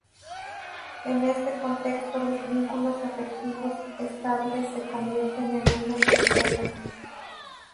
En este contexto los vínculos afectivos estables se convierten en una hipoteca.